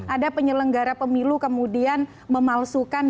ada penyelenggara pemilu yang memalsukan hasil suara itu jelas pasal pidananya